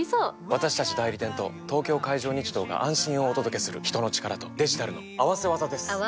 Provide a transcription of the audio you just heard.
私たち代理店と東京海上日動が安心をお届けする人の力とデジタルの合わせ技です！